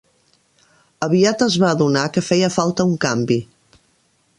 Aviat es va adonar que feia falta un canvi.